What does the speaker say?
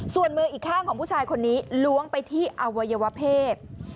ส่วนมืออีกข้างของผู้ชายคนนี้ล้วงไปที่อวัยวเพศ